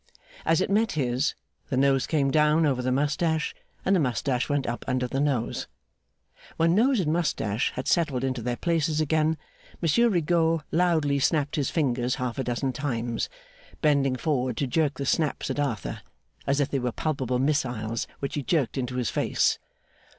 As it met his, the nose came down over the moustache and the moustache went up under the nose. When nose and moustache had settled into their places again, Monsieur Rigaud loudly snapped his fingers half a dozen times; bending forward to jerk the snaps at Arthur, as if they were palpable missiles which he jerked into his face.